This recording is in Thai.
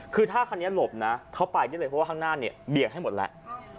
คือถ้าคันนี้หลบนะเขาไปได้เลยเพราะว่าข้างหน้าเนี่ยเบี่ยงให้หมดแล้ว